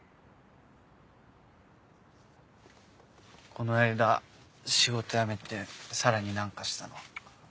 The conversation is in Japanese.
・この間仕事辞めてさらに何かしたの？